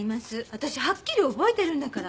私はっきり覚えてるんだから。